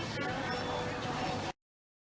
สวัสดีครับ